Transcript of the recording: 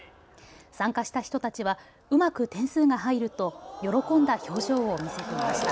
参加した人たちは、うまく点数が入ると喜んだ表情を見せていました。